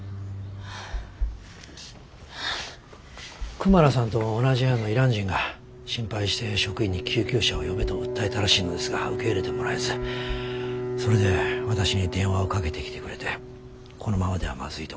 クマラさんと同じ部屋のイラン人が心配して職員に救急車を呼べと訴えたらしいのですが受け入れてもらえずそれで私に電話をかけてきてくれてこのままではまずいと思い